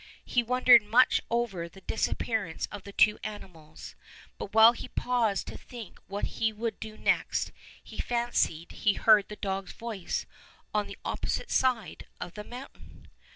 He wondered much over the disappearance of the two animals, but while he paused to think what he would do next he fancied he heard the dog's voice on the opposite side of the mountain.